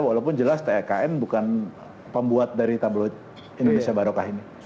walaupun jelas tekn bukan pembuat dari tabloid indonesia barokah ini